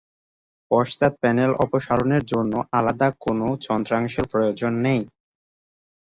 পশ্চাৎ প্যানেল অপসারণের জন্য আলাদা কোন যন্ত্রাংশের প্রয়োজন নেই।